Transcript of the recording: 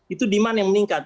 itu demand yang meningkat